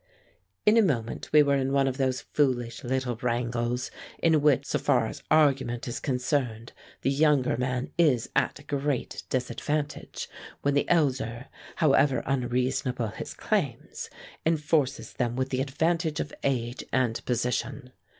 In a moment we were in one of those foolish little wrangles in which, so far as argument is concerned, the younger man is at a great disadvantage, when the elder, however unreasonable his claims, enforces them with the advantage of age and position.